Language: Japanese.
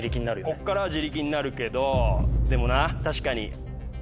こっからは自力になるけどでもな確かに。